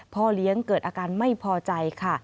พ่อเลี้ยงเกิดอาการไม่พอใจค่ะ